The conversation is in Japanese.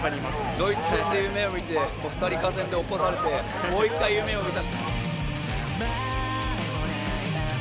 ドイツ戦で夢を見て、コスタリカ戦で起こされて、もう一回夢をみた。